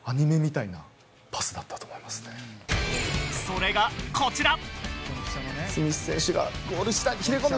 それがこちら。